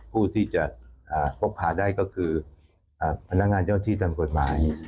ผู้ที่จะพกพาได้ก็คือพนักงานเจ้าที่ตามกฎหมาย